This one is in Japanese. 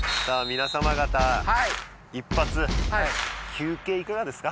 皆様方一発はい休憩いかがですか？